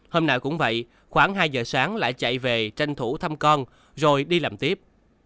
hôm nào cũng vậy khoảng hai giờ sáng lại chạy về tranh thủ thăm con rồi đi làm tiếp